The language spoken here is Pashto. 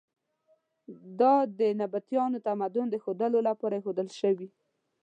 دا د نبطیانو تمدن د ښودلو لپاره ایښودل شوي.